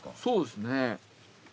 そうですね。